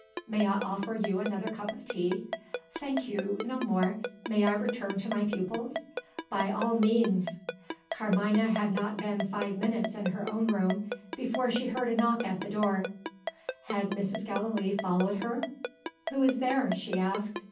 "May I offer you another cup of tea?" "Thank you no more. May I return to my pupils?" "By all means!" Carmina had not been five minutes in her own room before she heard a knock at the door. Had Mrs. Gallilee followed her? "Who is there?" she asked.